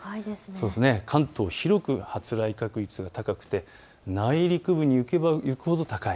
関東、広く発雷確率が高くて内陸部に行けば行くほど高い。